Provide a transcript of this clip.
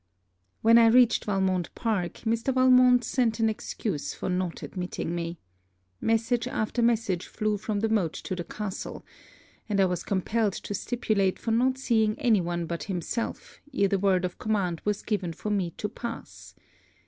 When I reached Valmont park, Mr. Valmont sent an excuse for not admitting me. Message after message flew from the moat to the castle; and I was compelled to stipulate for not seeing any one but himself, ere the word of command was given for me to pass.